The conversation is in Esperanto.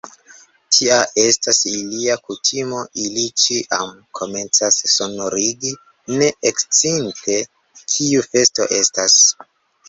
Tia estas ilia kutimo; ili ĉiam komencas sonorigi, ne eksciinte, kiu festo estas!